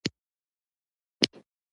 له ساز او بازه یې داسې معلومېدل.